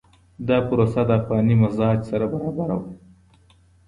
دا پروسه د افغاني مزاج سره برابره وه.